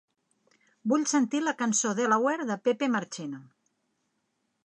Vull sentir la cançó Delaware de Pepe Marchena